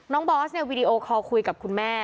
น้องบอสวีดีโอคอลคุยกับคุณแม่